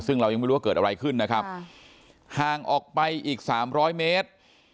ซึ่งเรายังไม่รู้ว่าเกิดอะไรขึ้นนะครับห่างออกไปอีกสามร้อยเมตร